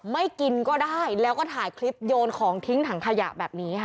ไม่กินก็ได้แล้วก็ถ่ายคลิปโยนของทิ้งถังขยะแบบนี้ค่ะ